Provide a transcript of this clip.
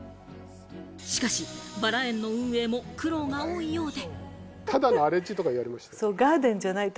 しかし、バラ園の運営も苦労が多いようで。